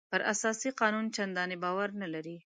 پر اساسي قانون چندانې باور نه لري.